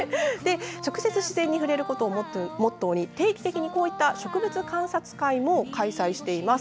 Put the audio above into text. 直接自然に触れることをモットーに定期的に植物観察会も開催しています。